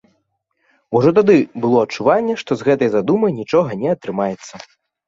Ужо тады было адчуванне, што з гэтай задумы нічога не атрымаецца.